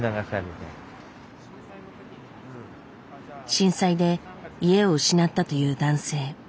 震災で家を失ったという男性。